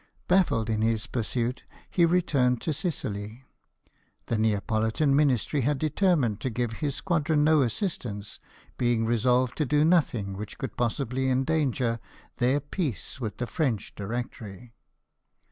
Baffled in his pursuit, he returned to Sicily. The Neapolitan Ministry had determined to . give his squadron no assistance, being resolved to do nothing which could possibly endanger their peace with the French Directory.